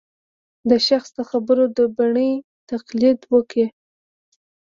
د شخص د خبرو د بڼې تقلید وکړي